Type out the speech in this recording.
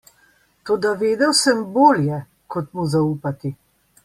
Toda vedel sem bolje, kot mu zaupati.